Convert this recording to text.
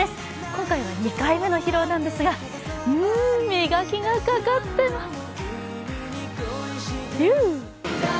今回は２回目の披露なんですが磨きがかかってます！